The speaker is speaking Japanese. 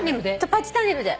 「パッチタネル」で。